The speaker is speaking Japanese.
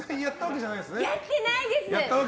やってないです！